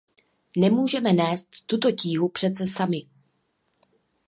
Nemůžeme nést tuto tíhu přece sami.